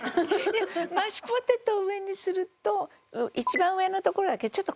マッシュポテトを上にすると一番上のところだけちょっと焦げ目がつく。